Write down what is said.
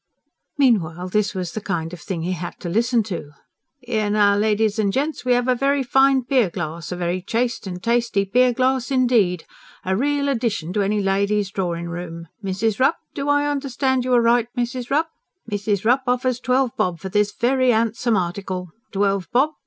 Meanwhile this was the kind of thing he had to listen to. "'Ere now, ladies and gents, we 'ave a very fine pier glass a very chaste and tasty pier glass indeed a red addition to any lady's drawin'room. Mrs. Rupp? Do I understand you aright, Mrs. Rupp? Mrs. Rupp offers twelve bob for this very 'andsome article. Twelve bob